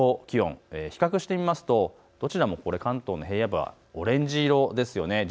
気温、比較してみますと、どちらも関東の平野部はオレンジ色ですよね。